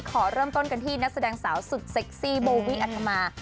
ขอเริ่มต้นกันที่นักแสดงสาวสุดเซ็กซี่โบวี่อัธมา